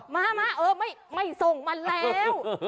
มาไม่ส่งมันแล้ว